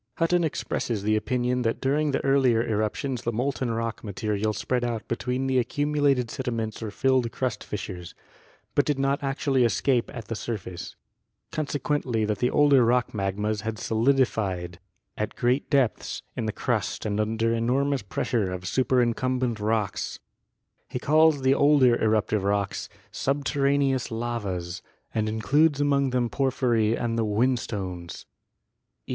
Hutton expresses the opin ion that during the earlier eruptions the molten rock material spread out between the accumulated sediments or filled crust fissures, but did not actually escape at the sur face; consequently that the older rock magmas had solidi fied at great depths in the crust and under enormous pressure of superincumbent rocks. He calls the older eruptive rocks "subterraneous lavas" and includes among them porphyry and the whinstones (eq.